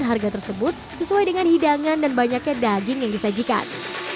harga tersebut sesuai dengan hidangan dan banyaknya daging yang disajikan